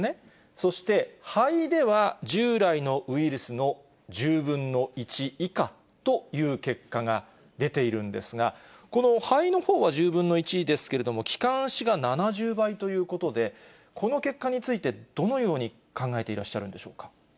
そして、肺では、従来のウイルスの１０分の１以下という結果が出ているんですが、この肺のほうは１０分の１ですけれども、気管支が７０倍ということで、この結果について、どのように考えていらっしゃるんでしょうか。